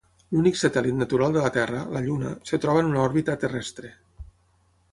L'únic satèl·lit natural de la Terra, la Lluna, es troba en una òrbita terrestre.